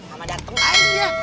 mama dateng aja